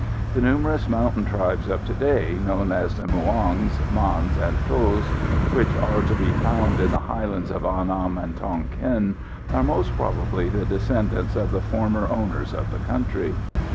The numerous mountain tribes of to day, known as the Muongs, Mans and Thos, which are to be found in the highlands of Annam and Tonquin, are most probably the descendants of the former owners of the country.